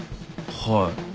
はい。